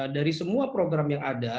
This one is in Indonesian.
dari semua program yang ada